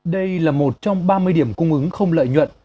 đây là một trong ba mươi điểm cung ứng không lợi nhuận